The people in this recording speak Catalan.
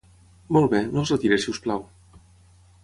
Molt bé, no es retiri si us plau.